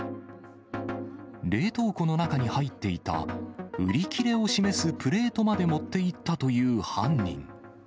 冷凍庫の中に入っていた、売り切れを示すプレートまで持っていったという犯人。